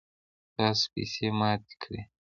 تاسو پیسی ماتی کړئ